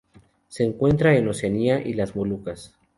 Se encuentra en Oceanía y las Molucas.